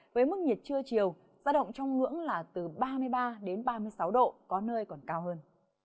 với mức nhiệt trưa chiều giao động trong ngưỡng là từ ba mươi ba đến ba mươi sáu độ có nơi còn cao hơn